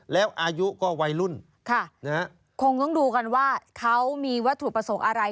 แล้วอายุก็วัยรุ่นคงต้องดูกันว่าเขามีวัตถุประสงค์อะไร